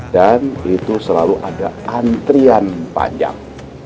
dan itu selalu ada antrian panjang